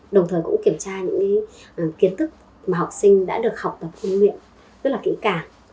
đồng thời cũng kiểm tra những kiến thức mà học sinh đã được học tập khung nguyện rất là kỹ cả